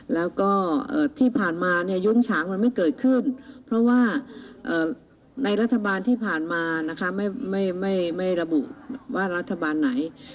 แล้วก็ที่ผ่านมาเนี่ยยุ้งฉางมันไม่เกิดขึ้นเพราะว่าในรัฐบาลที่ผ่านมานะคะไม่ระบุว่ารัฐบาลไหน